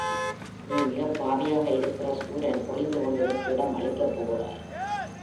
நீ மிகப் பாவியாக இருக்கிற சூரன் ஒளிந்து கொள்வதற்கு இடம் அளிக்கப் போகிறாய்.